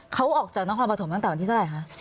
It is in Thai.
เขาออกจากนครปฐมตั้งแต่วันที่เท่าไหร่คะ